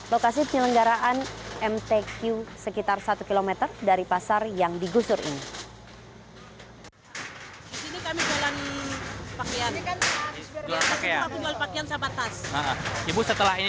lokasi penyelenggaraan mtq sekitar satu km dari pasar yang digusur ini